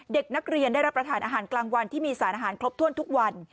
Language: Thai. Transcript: เด็กนักเรียนได้รับประทานอาหารกลางวันที่มีสารอาหารครบถ้วนทุกวัน